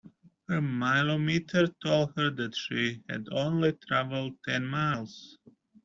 Her mileometer told her that she had only travelled ten miles